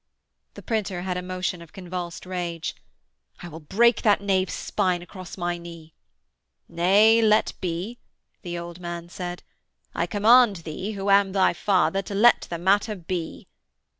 The printer had a motion of convulsed rage: 'I will break that knave's spine across my knee.' 'Nay, let be,' the old man said. 'I command thee, who am thy father, to let the matter be.'